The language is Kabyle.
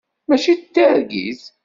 Mačči d targit.